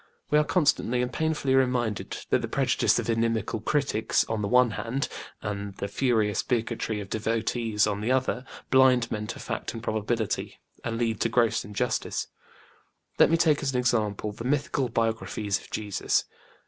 We are constantly and painfully reminded that the prejudice of inimical critics, on the one hand, and the furious bigotry of devotees, on the other, blind men to fact and probability, and lead to gross injustice. Let me take as an example the mythical biographies of Jesus.